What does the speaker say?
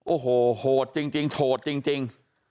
โอ้โหโหดจริงโฉดจริง